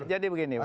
jadi begini pak